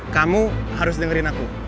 kamu harus dengerin aku